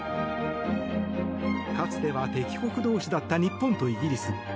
かつては敵国同士だった日本とイギリス。